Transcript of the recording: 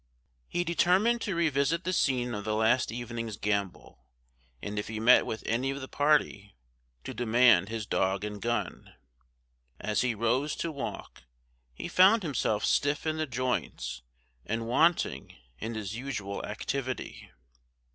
He determined to revisit the scene of the last evening's gambol, and if he met with any of the party, to demand his dog and gun. As he rose to walk, he found himself stiff in the joints, and wanting in his usual activity.